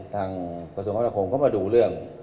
ทางกระทรวงภัณฑ์โฮมเข้ามาดูเรื่อง